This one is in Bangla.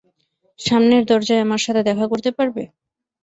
সামনের দরজায় আমার সাথে দেখা করতে পারবে?